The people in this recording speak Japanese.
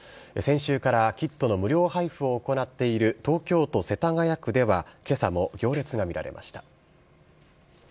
先週からキットの無料配布を行っている東京都世田谷区では、けさも行列が見られました。